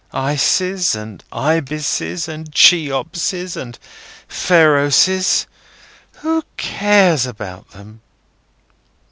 Isises, and Ibises, and Cheopses, and Pharaohses; who cares about them?